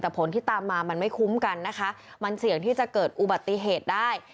แต่ผลที่ตามมามันไม่คุ้มกันนะคะมันเสี่ยงที่จะเกิดอุบัติเหตุได้